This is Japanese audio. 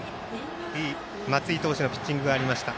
いい松井投手のピッチングがありました。